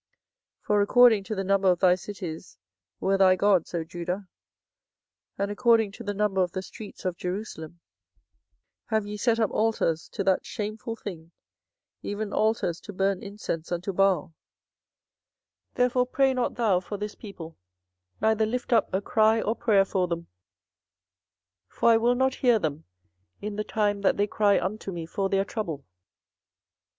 24:011:013 For according to the number of thy cities were thy gods, O Judah; and according to the number of the streets of Jerusalem have ye set up altars to that shameful thing, even altars to burn incense unto Baal. 24:011:014 Therefore pray not thou for this people, neither lift up a cry or prayer for them: for I will not hear them in the time that they cry unto me for their trouble.